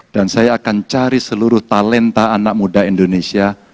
dan saya akan cari seluruh talenta anak muda indonesia